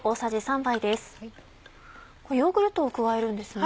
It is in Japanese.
ヨーグルトを加えるんですね。